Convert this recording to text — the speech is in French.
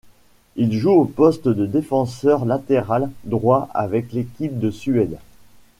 Il joue au poste de défenseur latéral droit avec l'équipe de Suède.